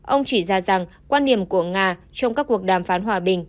ông chỉ ra rằng quan điểm của nga trong các cuộc đàm phán hòa bình